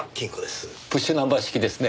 プッシュナンバー式ですね。